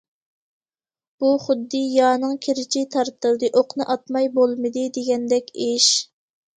بۇ خۇددى« يانىڭ كىرىچى تارتىلدى، ئوقنى ئاتماي بولمىدى» دېگەندەك ئىش.